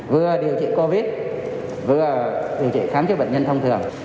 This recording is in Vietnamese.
vừa điều trị covid vừa điều trị khám chức bệnh nhân thông thường